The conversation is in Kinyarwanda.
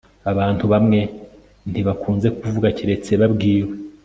abantu bamwe ntibakunze kuvuga keretse babwiwe